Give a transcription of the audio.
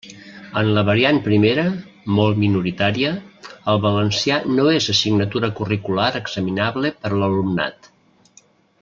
En la variant primera, molt minoritària, el valencià no és assignatura curricular examinable per a l'alumnat.